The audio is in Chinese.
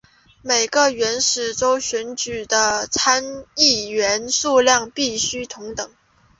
每个原始州选举的参议员数量必须同等。